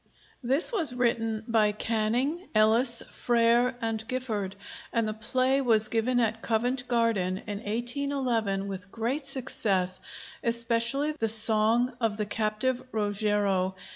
This was written by Canning, Ellis, Frere, and Gifford, and the play was given at Covent Garden in 1811 with great success, especially the song of the captive Rogero.